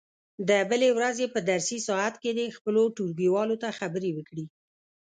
د بلې ورځې په درسي ساعت کې دې خپلو ټولګیوالو ته خبرې وکړي.